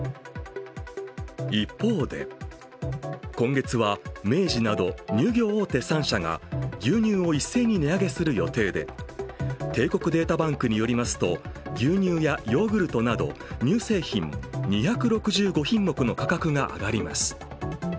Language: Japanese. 一方で今月は明治など乳業大手３社が牛乳を一斉に値上げする予定で帝国データバンクによりますと牛乳やヨーグルトなど乳製品２６５品目の価格が上がります。